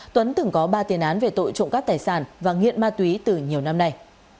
tuấn từng có ba tiền án về tội trộm cắp tài sản và nghiện ma túy từ nhiều năm nay